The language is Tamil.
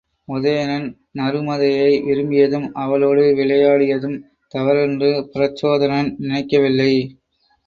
உதயணன் நருமதையை விரும்பியதும், அவளோடு விளையாடியதும் தவறென்று பிரச்சோதனன் நினைக்கவில்லை.